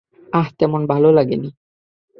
আহহ, তেমন লাগেনি।